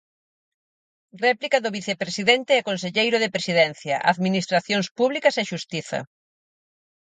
Réplica do vicepresidente e conselleiro de Presidencia, Administracións Públicas e Xustiza.